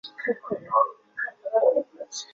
博内埃。